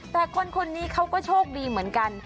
แต่คนนี้เขาก็โชคดีเหมือนกัน